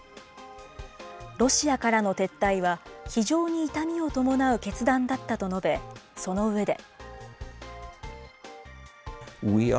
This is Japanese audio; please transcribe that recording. ロシアからの撤退は、非常に痛みを伴う決断だったと述べ、その上で。